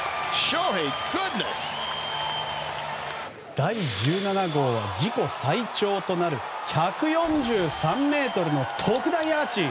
第１７号は自己最長となる１４３ｍの特大アーチ。